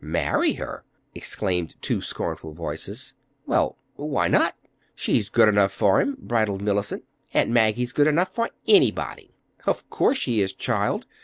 "Marry her!" exclaimed two scornful voices. "Well, why not? She's good enough for him," bridled Mellicent. "Aunt Maggie's good enough for anybody!" "Of course she is, child!"